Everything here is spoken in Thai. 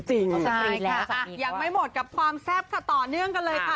ใช่ค่ะยังไม่หมดกับความแซ่บค่ะต่อเนื่องกันเลยค่ะ